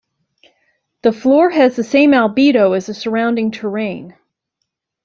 The floor has the same albedo as the surrounding terrain.